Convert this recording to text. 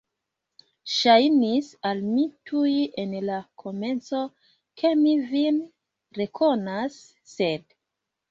Ŝajnis al mi tuj en la komenco, ke mi vin rekonas, sed.